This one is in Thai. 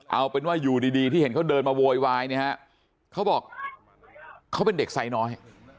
เอาเป็นว่าอยู่ดีที่เห็นเขาเดินมาโวยวายเนี่ยฮะเขาบอกเขาเป็นเด็กไซน้อย